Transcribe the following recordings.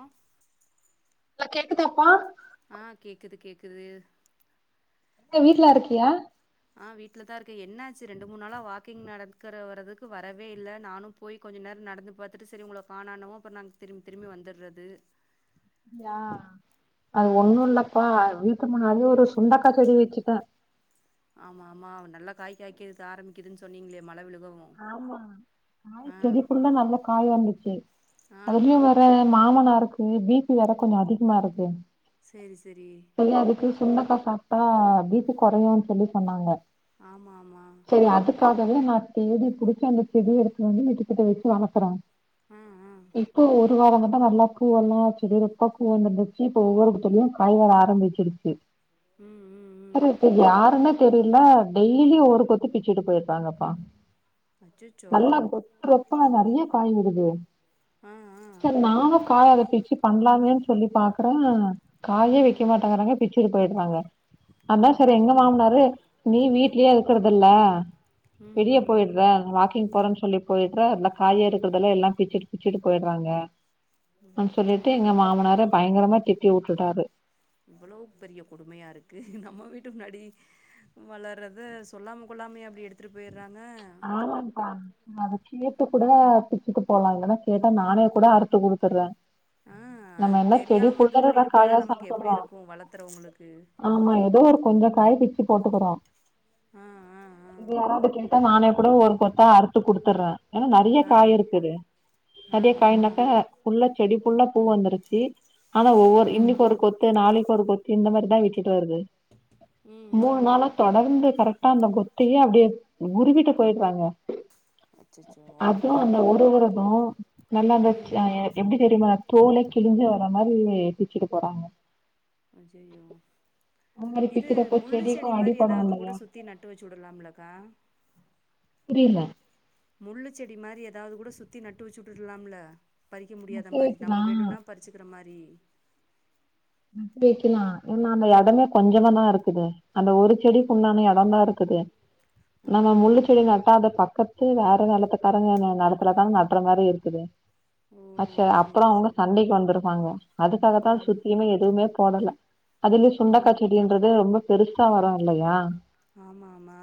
அஹ் இல்ல கேக்குதாப்பா ஆஹ் கேக்குது கேக்குது எ வீட்ல இருக்கியா ஆ வீட்ல தா இருக்க என்னாச்சு ரெண்டு மூணு நாளா வாக்கிங் நடக்கற வரதுக்கு வரவே இல்ல நானு போய் கொஞ்ச நேர நடந்து பாத்துட்டு சரி உங்கள கணோனாவு அப்புரோ நாங்க திரும்பி திரும்பி வந்துட்றது யா அது ஒண்ணு இல்லப்பா வீ க்கு முன்னாடி ஒரு சுண்டக்கா செடி வெச்சுட்ட ஆமா ஆமா நல்ல காய் காய்க்கக்கு ஆரம்பிக்கிது சொன்னீங்களே மழ விழுகு ஆமா காய் செடி ஃபுல்லா நல்ல காய் வந்துச்சு ஆ அதுலயு வேற மாம - - மா இருக்கு பிபி வேற கொஞ்சோ அதிகமா இருக்கு சேரி சேரி சரி அதுக்கு சுண்டக்கா சாப்பிட்டா பிபி குறையுன்னு சொல்லி சொன்னாங்க ஆமா ஆமா சரி [unintelligible] தேடி புடிச்சு அந்த செடி எடுத்து வந்து வீட்டுக்கிட்ட வச்சு வளக்குற ஆ ஆ இப்போ ஒரு வார வந் [unintelligible] நல்லா பூவெல்லா வச்சி செடி ரெட்டப் பூ வந்திருந்துச்சு இப்ப ஒவ்வொரு கொத்துலயு காய் வர ஆரம்பிச்சிருச்சு ம் ம் ம் சரி சரி யாருன்ன தெரில டெய்லி ஒவ்வொரு கொத்து பிச்சுட்டு போயிடுறாங்கப்பா அச்சச்சோ நல்லா கொத்துரத்தா நெறய காய் வருது ஆ ஆ சர் நானு காய் அத பிச்சு பண்ணலாமேன்னு சொல்லி பாக்குற காயே வைக்க ம் மாட்டேங்குறாங்க பிச்சுட்டு போயிடுறாங்க ஆதா சார் ஐயையோ எங்க ம் மாமனாரு நீ வீட்லயே இருக்கு இல்ல வெடியப் ம் ம் வாக்கிங் போறேன்னு சொல்லி போயிடுற அதுல காய இருக்குறதுல்லா. பிச்சுட்டு பிச்சிட்டு போயிடுறாங்க அனு சொல்லிட்டு தென்ன எங்க மாமனாரு பயன் [unintelligible] திட்டி வுட்டுட்டாரு எவ்ளோ பெரிய கொடுமையா இருக்கு நம்ம வீட்டு முன்னாடி வளர்றத சொல்லாம கொள்ளாமயா அப்டி எடுத்துட்டு போய்ர்றாங்க ஆமாக்கா அதை கேட்டு கூட பிச்சுட்டு போலா இல்ன்னா கேட்டா நானே கூட அறுத்து குடுத்துடுற ஆ அது நம்ம என்ன செடி தெரியாம இது பண்ணிட்டு [unintelligible] போனா காயா நமக்கு எப்டி சாப்புடுரோ இருக்கு வளர்த்துறவங்களுக்கு ஆமா ஏதோ ஒரு கொஞ்சோ காய் சுத்தி போட்டுகிறோ ஆ ஆ ஆ இது யாராவ்து கே ட்டா நானே கூட ஒரு கொத்தா அறுத்து குடுத்துர்ற ஏன்னா நிறைய ஆ காய் இருக்குது ஆ நிறைய ஆ ஆ காய்னாக்கா புல்ல செடி புல்ல பூ வந்துருச்சி ஆனா ம் ஒவ்வொரு ம் இன்னைக்கு ஒரு கொத்த நாளைக்கு [unintelligible] இந்த மாரி தான் இருச் டு வருது ம் மூணு ம் நாளு தொடர்ந்து கரெக் ட்டா அந்த கொத்தையே அப்டே எட் உருவிட்டு போயிடுராங்க அச்சச்சோ அது அந்த ஊரு தோ நல்லா அந்த ம் எப்படி தெரியுமா தோலே கிழிஞ்சு வர மாரி உம் எதிச்சுட்டு போறாங்க அஜயோ அந்த மாரி இது பிக்கிறப்போ முள்ளு செடிக்கு செடி மாரி அடிபடு ஏதாவது கூட இல்லையா சுத்தி நட்டு வச்சு விடலாம்லக்கா புரியல முள்ளு செடி மாரி எதாவது கூட சுத்தி நட்டு வச்சுட்டுருலாம்ல. பறிக்க முடியாத நட்டு மாரி வைக்கலா நம்ம வேணுன்னா பறிச்சுக்கிற மாரி ஃதி நட்டு வக்கலா ஏன்னா அந்த இடமே கொஞ்ச தானே இருக்குது அந்த ஒரு செடி புண்ணானே எடந்தா இருக் ஓ [unintelligible] நம்ம முள்ளு செடி நட்டாத பக்கத் சரி வேற நிலத்துக்காரங்க நிலத்துலதா நட்டுற மாதிரி இருக்குது ஓ [unintelligible] அப்புறம் சரி அவங்க சரி சண்டைக்கு வந்திருப்பாங்க ஆ அதுக்காகத்தான் சுத்தி எதுவுமே போடல அதுலயே ஆ சுண்டக்கா செடின்றது ரொம்ப பெருஸ் இப்ப வர இல்லையா ஆமா ஆமா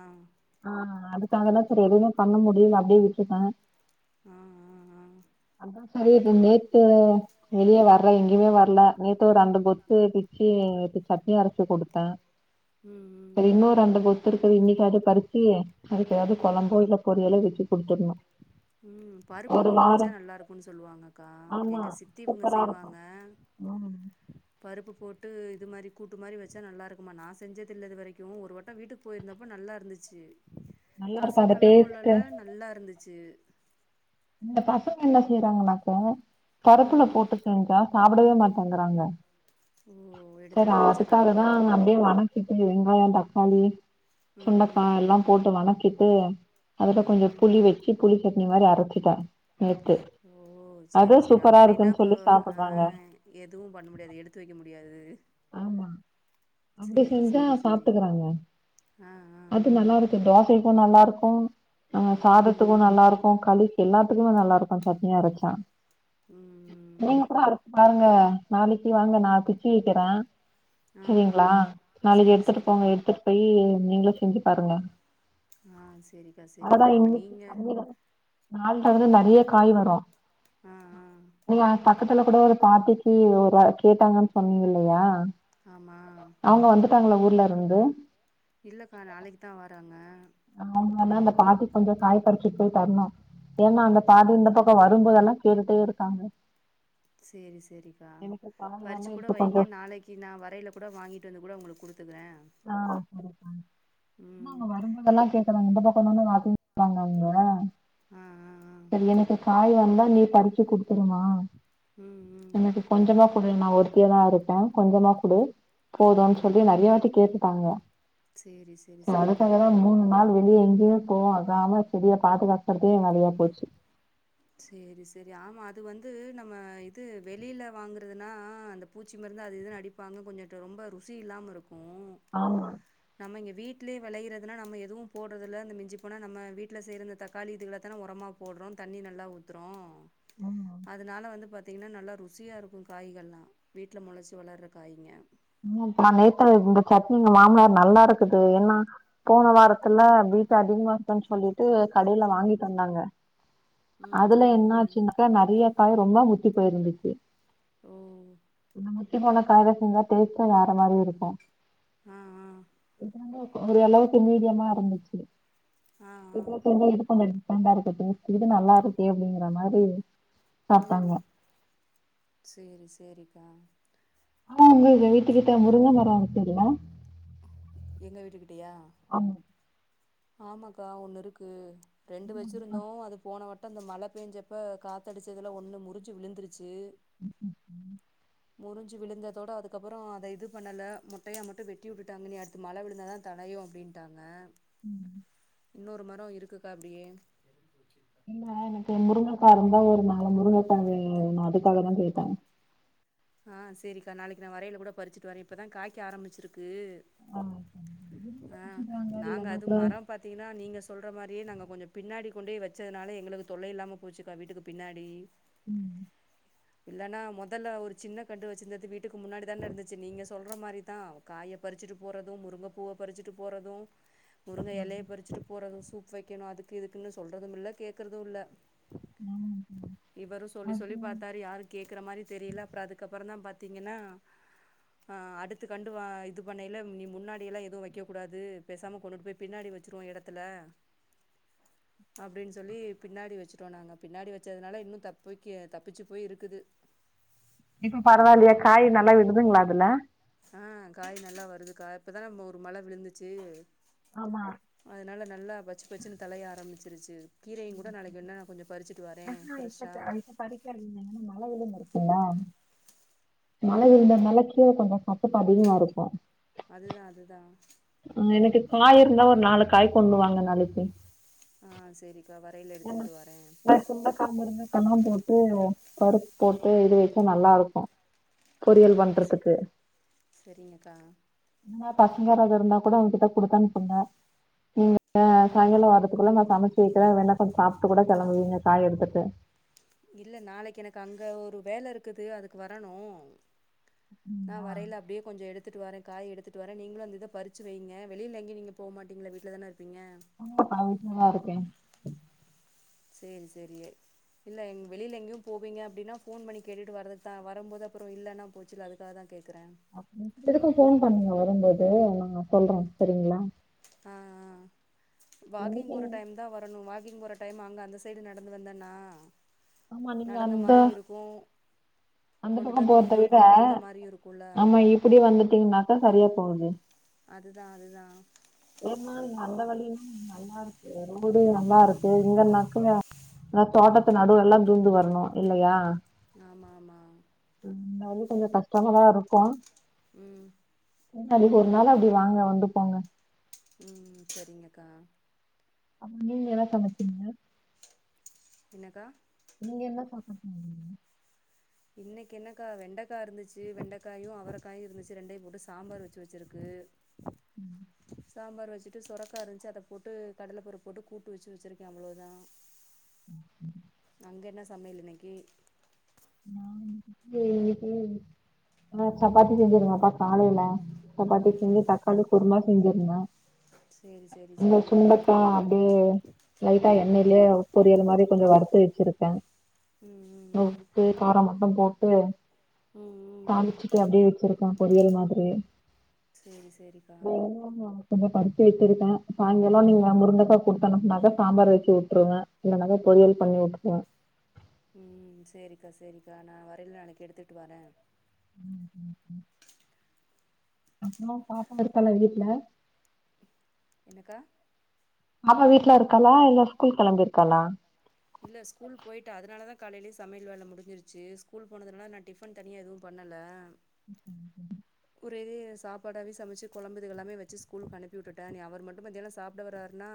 க்காகதா சரி எதுமே பண்ண முடில அப்டியே விட்டுட்ட ஆ ஆ ஆ அந்த செரி இது நேத்து வெளியே வர்ல எங்கயுமே வர்ல நேத்து ஒரு ரெண்டு கொத்து பிச்சி சட்னி அரச்சி கொடுத்த ம் சரி ம் இன்னு ரெண்டு கொ த்து இன்னிக்கி அத பறிச்சி அதுக்கு எதாவது ம் கொழம்போ இல்ல பொரியலோ வச்சு குடுத்துட்னு ம் பருப்பு போட்டு வச்சா நல்லா இருக்குன்னு சொல்வாங்க அக்கா ஆமா எங்க சித்தி இவங்க சூப்பரா இருக்கு செய்வாங்க ம் பருப்பு போட்டு இது மாரி கூட்டு மாரி வெச்சா நல்லா இருக்குமா நா செஞ்சது இல்ல இது வரைக்கூ ஒருவட்ட வீட்டுக்கு போய்ருந்தப்போ நல்லா இருந்துச்சு நல்லா இருக்கு அந்த கசக்கல டேஸ்ட் கொள்ளல நல்லா இருந்துச் சி இந்த பசங்க என்ன செய்ராங்கனாக்க பருப்புல ம் போட்டுருக்கேங்க்கா சாப்டவே மாட்டேங்கறாங்க ஓ எடுத்து செரி எடுத்து வச்சுறாங்களோ அதுக்காகதா அப்டியே வணக்கிட்டு வெங்காயம் தக்காளி ம் சுண்டக்கா ம் எல்லா போட்டு வணக் கிட்டு அதுல ம் கொஞ்ச ம் புளி வச்சி புளி சட்னி மாரி அரச்சு தா ஓ செரி செரி அப்டின்னா இருக்குன்னு இப்போ சொல்லி ஆ சாப்டுறாங்க எதுவும் பண்ண முடியாது எடுத்து வைக்க முடியாது ஆமா அப்டி சேரி செஞ்சா சேரி சேரி சாப்பிட்டுக்கறாங்க ஆ ஆ அது நல்லா இருக்கு தோசை இப்போ நல்லா இருக்கோ அ ம் ம் சாதத்துக்கும் நல்லா இருக்கும் களி எல்லாத்துக்கும் நல்லா இருக்கும் சட்னி அரைச்சா ம் ம் நீங்க கூட அரச்சு பாரு ங்க நாளைக்கு வாங்க நான் திக்கி கிற ஆ ஆ சரிங்களா நாளைக்கு சேரி எடுத்துட்டு போங்க சேரிக்கா எடுத்துட்டு போயி நீங்களு செஞ்சு பாருங்க ஆ சேரிக்கா சேரிக்கா அதுதான் இப்போ இன்னிக்கு நீங்க கம்மி தா நாள் கடந்து [unintelligible] நிறைய காய் வரும் ஆ ஆ ம் [unintelligible] பக்கத்துல கூட ஒரு பாட்டிக்கு ஒரு வ கேட்டாங்கன்னு சொன்னீங் அப்படியா ஆமா ட்டாங்களா ஊர்லயிருந்து இல்லக்கா நாளைக்கு தா வராங்க அவுங்க எல்லா அந்த பாட்டி கொஞ்சோ காய பறிச்சிட்டு போய் தரணு ஏன்னா அந்த பாட்டி இந்த பக்கம் வரும்போதெல்லா கேட்டுட்டே இருக்காங்க சேரி சேரிக்கா எனக்கு கால் வந்து பறிச்சு கூட இப்ப கொஞ்சோ வைங்க நாளைக்கு நா வரையில கூட வாங்கிட்டு வந்து கூட அவுங்களுக்கு குடு ஆ சேரிப்பா அம்மா அங்க ம் வரும்போதெல்லா கேக்குறாங்க இந்த பா சொன்ன மாரி அதே சொன்னாங்க ஆ ஆ ஆ சரி எனக்கு காய் வ இல்ல நீ பறிச்சு குடுத்துருமா ம் ம் எனக்கு கொஞ்சமா குடு நா ஒருத்தியாதா இருப்பே கொஞ்சமா குடு போதுன்னு ம் சொல்லி நெறையா வாட்டி கேட்டுட்டாங்க சேரி சேரி செரி நாளு வெளிய எங்கயு போகாம செடிய பாதுகாக் அடுத்தது நெறையா போச்சு சேரி சேரி ஆமா அது வந்து நம்ம இது வெளில வாங்குறதுனா அந்த பூச்சி மருந்து அது இதுனு அடிப்பாங்க கொஞ்சுட்டு ரொம்ப ருசி இல்லாம இருக் ஆமா நம்ம இங்க வீட்லயே வெளையிறதுனா நம்ம எதுவு போட்றது இல்ல இந்த மிஞ்சி போனா நம்ம வீட்ல செய்ற இந்த தக்காளி இதுகலதா ஒரமா போட்றோ தண்ணி நல்லா ஊத்துறோ ஆமா அதனால வந்து பாத்தீங்கனா நல்லா ரு ருசியா இருக்கூ காய்கள்லா வீட்டில மொளச்சி வளர்ற காய்ங்க ம் இப்ப நாங்க நேத்துதா இந்த சட்னி எங்க மாமனார் நல்லா இருக்குது ஏன்னா போன வாரத்துல பீஸ் அதிகமா இருக்குனு சொல்லிட்டு கடைல வாங்கிட்டு வந்தாங்க ம் அதுல ம் என்ன ம் ஆச்சுன்னக்க நறைய காய் ரொம்ப முத்தி போயிருந்துச்சு ஓ ம் [unintelligible] பேச்சே வேற மாரி இருக்கூ ஆ ஆ இதனால ஒரு அளவுக்கு மீடியமா இருந்துச்சு ஆ ஆ எதுல தந்தா இது பண்ணங்க வேண்டா இருக்கட்டு இது நல்லா இருக்கே அப்டிங்கற மாரி சாப்ட்டாங்க ம் சேரி சேரி த ஆஹ் உங்கங்க வீட்டுக்கிட்ட முருங்கை மரம் இருச்சரியல எங்க வீட்டு கிட்டயா ஆமாக்கா ஒண்ணு இருக்கு ரெண்டு வெச்சு இருந்தோ அது போனவட் ம அந்த மழை பேஞ்சப்ப காத்த அடிச்சதுெலா ஒண்ணு முறிஞ்சு விழுந்துருச்சு [unintelligible] முறிஞ்சு விழுந்ததோட அதுக்கப்புறம் அதை இது பண்ணலை மொட்டையா மட்டு வெட்டி விட்டுட்டாங்க நீ அடுத்து மழை விழுந்தாதான் தனையும் அப்படின்ட்டாங்க ம் இன்னொரு மரோ இருக்குக்கா அப்படியே என்ன எனக்கு முருங்கைக்காரம் தான் ஒரு நாலு முருங்கை வந்து உன்ன அதுக்காக தா கேட்ட ஆஹ் சரிக்கா நாளைக்கு நான் வரையில கூட பறிச்சுட்டு வரேன் இப்பதான் காய்க்க ஆரம்பிச்சிருக்கு ஆ நாங்க இல்லன்னா அது கூட மரோ பார்த்தீங்கன்னா நீங்க சொல்ற மாதிரியே நாங்கள் கொஞ்சம் பின்னாடி கொண்டே வச்சதுனால எங்களுக்கு தொல்லை இல்லாமல் போச்சுக்கா வீட்டுக்கு பின்னாடி ம் இல்லன்னா முதல்ல ஒரு சின்ன கண்டு வச்சிருந்தது வீட்டுக்கு முன்னாடிதானே நடந்துச்சு நீங்க சொல்ற மாதிரிதா காய பறிச்சுட்டு போறதும் முருங்கைப்பூவ பறிச்சுட்டு போறதோ முருங்கை இலையை பறிச்சுட்டு போறதுங்க சூ வெக்கணோ அதுக்கு இதுக்குன்னு சொல்றதும் இல்ல கேக்குறதோ இல்ல ஆமா ஆமா இவரோ சொல்லி சொல்லி அது பார்த்தாரு யாரு கேக்குற மாரி தெரியுல அப்புறம்ந்தான் பாத்தீங்கன்னா அடுத்து கண்டு வா இது பண்ணல நீ முன்னாடியெல்லாம் எதுவும் வெக்க கூடாது பேசாமல் கொண்டுட்டு போய் பின்னாடி வெச்சுருவோம் எடத்துல அப்படின்னு சொல்லி பின்னாடி வெச்சுருோ நாங்க பின்னாடி வெச்சதுனால இன்னோ தப்பிக்க தப்பிச்சு போய் இருக்குது இப்ப பரவாயில்லையா காய் நல்லா விடுதுங்களா அதுல ஆஹ் காய் நல்லா வருது கா காய் இப்பதானே நம்ம ஒரு மழை விழுந்துச்சு ஆமா அதனால நல்லா பச்சு பச்சுன்னு தலைய ஆரம்பிச்சு திருச்சூர் ஆ இப்ப ஃப்ரெஷ்ஷா இப்ப பறிக்க மழை வெயிலும் இரு என்னா மழ என்னக்கா இருந்துனால கீர கொஞ்சோ அச அதிகமா இருக்கோ அதுதான் அதுதான் எனக்கு காய் இருந்தா ஒரு நாலு காய் கொண்டுவாங்க நாளைக்கு ஆ சரி என்ன ந சொன்ன காம்பு இருங்கக்கெல்லாம் போட்டு பருப்பு போட்டு இது வெச்சா நல்லா இருக்கோ ஆ சரிங்கக்கா இருந்தா பசங்காரது இருந்தா கூட அவன் கிட்ட குடுத்தனுப்பங்க சொன்னேன் நீ சாயங்காலோ வரத்துக்குள்ள நான் சமைச்சு வெக்குறே வேணா கொஞ்சம் சாப்பிட்டு கூட கிளங்கவீங்க காய் எடுத்துட்டு இல்ல நாளைக்கு எனக்கு அங்க ஒரு வேலை இருக்குது அதுக்கு வரணோ ம், நான் ஆ வரல அப்படியே கொஞ்சோ எடுத்துட்டு வரேன் காய் எடுத்து வரே நீங்களு அந்த இத பருச்சு வெய்ங்க வெளில எங்கயு நீங்க போமாட்டீங்கல்ல வீட்டில தான இருப் வாங்கப்பா வீட்டுலதா இருக்கே சேரி சேரி இல்ல எங் வெளில எங்கயு போவீங்க அப்டினா ஃபோன் பண்ணி கேட்டுட்டு வரதுக்குத்தா வரும் போது அப்றோ இல்லன்னா போச்சுல்ல அதுக்காக தா கேக் க்கும் எதுக்கும் ஃபோன் பண்ணுங்க நீங்க வரும் போது அது நா சொல்றே சேரிங்களா ஆ ஆ வாக்கிங் இன்னைக்கு போற டைம்தா வரணு வா கிங் போற டைம் அங்க அந்த சைடு நடந்து வந்தேன்னா ஆமா நீங்க நடந்த அந்த மாறி இருக்கூ அந்த பக்க போறத விட, மாரியு இருக்குல்ல ஆமா இப்டி வந்துட்டீங்கன்னாக்கா சரியா போது அதுதா அதுதா ஏன்னா அந்த வழியிலும் நல்லா இருக்கு ரோடு நல்லா இருக்கு இங்கனாக்கு தோடத்து நடு எல்லா பூந்து வரணு இல்லயா ஆமாம்மா இருந்தாலு கொஞ்சோ கஷ்டமாதா இருக்கு உம் அதுக்கு ஒரு நாள் அப்டி வாங்க வந்து போங்க உம் சரிங்கக்கா அ நீங்க என்ன சமச்சீங்க என்னக்கா நீங்க என்ன சமச்சீங்க இன்னைக்கு என்னக்கா வெண்டக்கா இருந்துச்சு வெண்டக்காயு அவரக்காயு இருந்துச்சு ரெண்டயு போட்டு சாம்பார் வச்சு வச்சிருக்கு உம் சாம்பார் வச்சுட்டு சுரக்கா இருந்ச்சு அத போட்டு கடல பருப்பு போட்டு கூட்டு வச்சு வச்சுருக்கே அவ்ளோதா ம் ஹ் அங்க என்ன சமையல் இன்னக்கி [unintelligible] நா சப்பாத்தி செஞ்சிருந்தக்கா காலைல சப்பாத்தி செஞ்சி ம் ம் தக்காளி குர்மா செஞ்சிருந்த சேரி சேரி இங்க சேரி சுண்டக்கா அப்டியே லைட்டா ம் எண்ணயிலே பொரியல் மாரி கொஞ்சோ வறுத்து வச்சிருக்கே உம் உம் உம் அத மட்டு போட்டு ம் தாழ்ச்சிட்டு அப்டியே வச்சிருக் அதா பொரியல் மாதிரி செரி சேரிக்கா கொஞ்ச பறிச்சு வச்சிருக்கே சாய்ங்கால ம் நீங்க முருங்கக்கா சூப் நா மொத சாம்பார் வச்சு விட்டுருவ இல்லைனாக்கா பொறியல் பண்ணி விட்டுருவ உம் சரிக்கா சரிக்கா நா வரையில நாளைக்கு எடுத்துட்டு வரேன் ம்ஹ் ம்ஹ் ம்ஹ் அப்றம் பாப்பா இருக்கால வீட்டுல என்னக்கா பாப்பா வீட்டு்ல இருக்காளா இல்லா ஸ்கூல் கிளம்பிருக்காளா இல்ல ஸ்கூல் போயி்ட்ட அதனாலதா காலைலயே சமையல் வேல முடிஞ்சிருச்சு ஸ்கூல் போனதுனால நா டிஃபன் தனியா எதும் பண்ணல [inaudible] ஒரே சாப்பாடாவே சமைச்சு குழம்புதுகல்லாமே வச்சு ஸ்கூலுக்கு அனுப்பிவுட்டுட்டே இனி அவர் மட்டு மத்தியானோ சாப்பிட வராருன்னா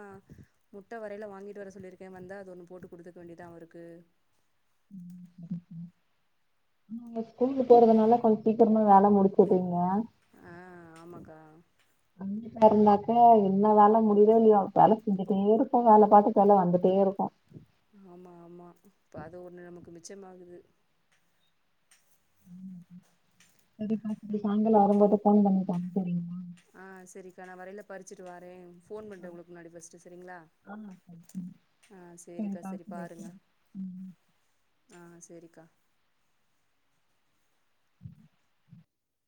முட்ட வரையில வாங்கிட்டு வர சொல்லியிருக்கே வந்தா அது ஒன்னு போட்டு குடுத்துக்க வேண்டியதா அவருக்கு நீங்க ஸ்கூலக்கு போறதுனால கொஞ்ச சிக்கரம வேல முடிச்சுட்டீங்க ஆ ஆமாக்கா அங்க இருந்தாக்க என்ன வேல முடியுதோ இல்லையோ வேல செஞ்சுட்டே இருக்கோ வேல பாட்டு வேல வந்துட்டே இருக்கு ஆமா ஆமா இப்ப அது ஒண்ணு நமக்கு மிச்சமாகுது சரிப்பா சரி சாயங்கால வரும்போது ஃபோன் பண்ணிட்டு வாங்க சரிங்களா ஆஹ் சரிக்கா நா வரையில பறிச்சுட்டு வறே ஃபோன் பண்ணுறே உங்களுக்கு முன்னாடி ஃபர்ஸ்ட்டு சரிங்களா ஆ ஆ சரிக்கா சரிப்பா சரி பாருங்க வைக்கிறே ம் ஆஹ் சரிக்கா